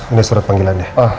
ini surat panggilan dia